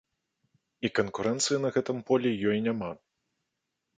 І канкурэнцыі на гэтым полі ёй няма.